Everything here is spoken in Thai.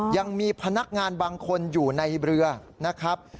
ยังมีพนักงานบางคนอยู่ในเรือนะครับ